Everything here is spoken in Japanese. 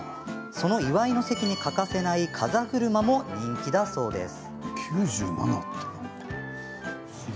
その祝いの席に欠かせない風車も人気だそうです。